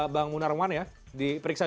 bang munarwan ya diperiksa